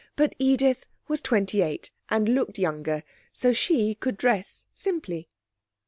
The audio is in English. But Edith was twenty eight, and looked younger, so she could dress simply.